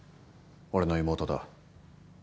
俺の妹だ。